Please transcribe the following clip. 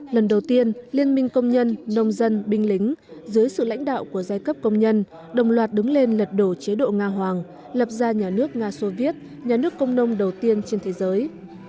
lần đầu tiên liên minh công nhân nông dân binh lính dưới sự lãnh đạo của giai cấp công nhân đồng loạt đứng lên lật đổ chế độ nga hoàng lập ra nhà nước nga soviet nhà nước công nông đầu tiên trên thế giới